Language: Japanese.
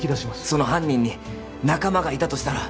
その犯人に仲間がいたとしたら？